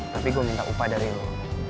tapi gue minta upah dari lo